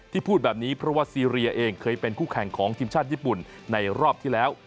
พูดแบบนี้เพราะว่าซีเรียเองเคยเป็นคู่แข่งของทีมชาติญี่ปุ่นในรอบที่แล้ว